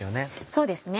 そうですね。